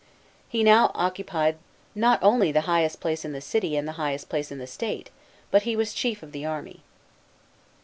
He now occupied not only the highest place in the city and the highest place in the State, but he was chief of the army.